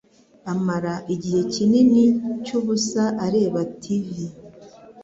amara igihe kinini cyubusa areba TV.